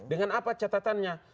dengan apa catatannya